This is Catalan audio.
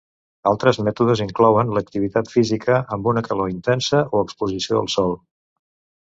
Altres mètodes inclouen l'activitat física amb una calor intensa o exposició al sol.